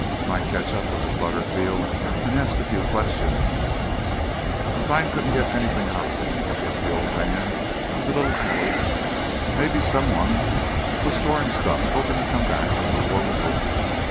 "Might catch up with this Lutterfield an' ask a few questions—" "Stein couldn't get anythin' out of him. Guess the old man is a little addled. Maybe someone was storin' stuff, hopin' to come back when the war was over.